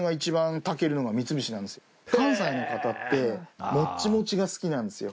関西の方ってモッチモチが好きなんですよ